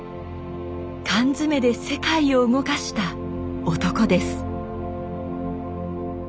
缶詰で世界を動かした男です。